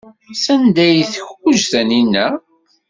Sanda ay tguǧǧ Taninna?